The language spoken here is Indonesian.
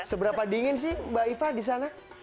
seberapa dingin sih mbak iva di sana